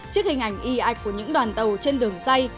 chiếc hình ảnh y ạch của những đoàn tàu trên đường dây